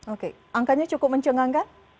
oke angkanya cukup mencengangkan